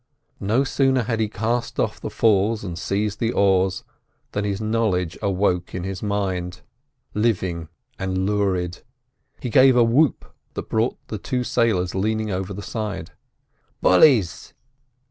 No sooner had he cast off the falls and seized the oars, than his knowledge awoke in his mind, living and lurid. He gave a whoop that brought the two sailors leaning over the side. "Bullies!"